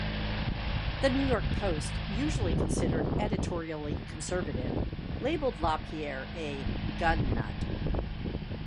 The "New York Post", usually considered editorially conservative, labelled LaPierre a "Gun Nut!